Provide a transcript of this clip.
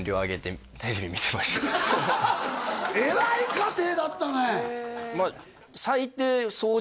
僕はえらい家庭だったねえっ？